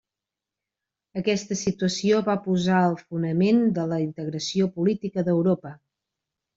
Aquesta situació va posar el fonament de la integració política d'Europa.